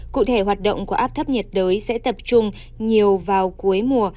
cụ thể hoạt động của áp thấp nhiệt đới sẽ tập trung nhiều vào cuối mùa